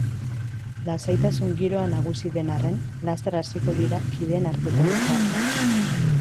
Lasaitasun giroa nagusi den arren, laster hasiko dira kideen arteko liskarrak.